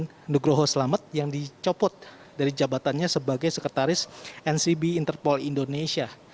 ada juga brigjen nugroho selamet yang dicopot dari jabatannya sebagai sekretaris ncb interpol indonesia